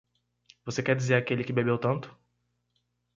Você quer dizer aquele que bebeu tanto?